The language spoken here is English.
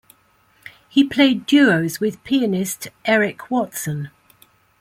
He played duos with pianist Eric Watson.